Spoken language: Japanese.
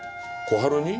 小春に？